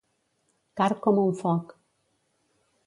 Car com un foc.